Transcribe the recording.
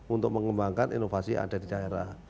untuk mengembangkan inovasi yang ada di daerah